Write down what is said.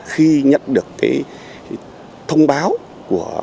khi nhận được thông báo của